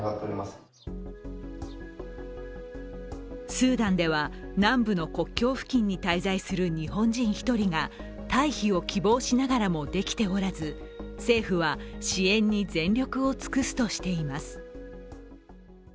スーダンでは南部の国境付近に滞在する日本人１人が退避を希望しながらもできておらず、政府は支援に全力を尽くすとしています。